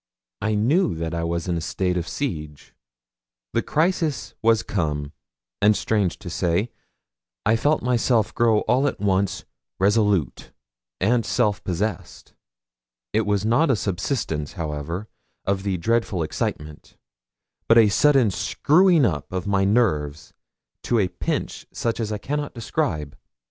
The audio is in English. I knew that I was in a state of siege! The crisis was come, and strange to say, I felt myself grow all at once resolute and self possessed. It was not a subsidence, however, of the dreadful excitement, but a sudden screwing up of my nerves to a pitch such as I cannot describe.